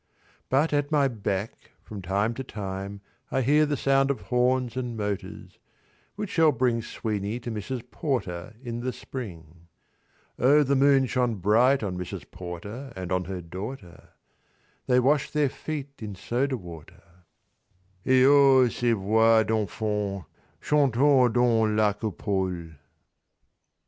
But at my back from time to time I hear The sound of horns and motors, which shall bring Sweeney to Mrs. Porter in the spring. O the moon shone bright on Mrs. Porter And on her daughter 200 They wash their feet in soda water _Et O ces voix d'enfants, chantant dans la coupole!